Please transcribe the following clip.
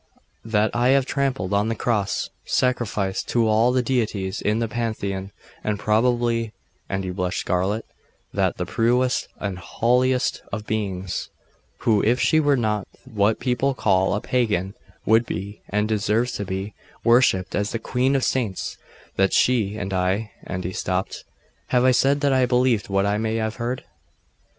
That I have trampled on the cross sacrificed to all the deities in the pantheon and probably' (and he blushed scarlet) 'that that purest and holiest of beings who, if she were not what people call a pagan, would be, and deserves to be, worshipped as the queen of saints that she and I ' and he stopped. 'Have I said that I believed what I may have heard?